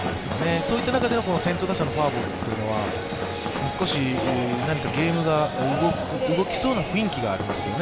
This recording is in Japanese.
そういった中での先頭打者のフォアボールというのは、少し何かゲームが動きそうな雰囲気がありますよね。